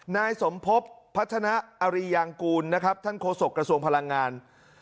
นายสมพบพัฒนาอริยางกูลนะครับท่านโฆษกระทรวงพลังงาน